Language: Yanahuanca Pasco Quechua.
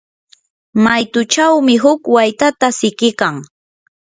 maytuchawmi huk waytata siqikan.